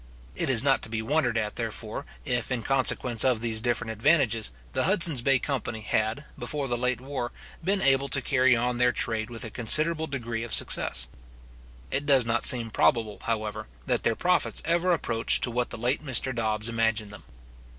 It is not to be wondered at, therefore, if, in consequence of these different advantages, the Hudson's Bay company had, before the late war, been able to carry on their trade with a considerable degree of success. It does not seem probable, however, that their profits ever approached to what the late Mr Dobbs imagined them.